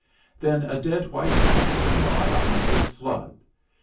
Then a dead white man came by on the quick flood.